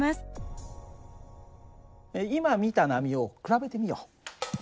今見た波を比べてみよう。